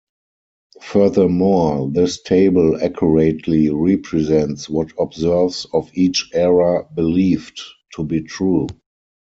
Furthermore, this table accurately represents what observers of each era "believed" to be true.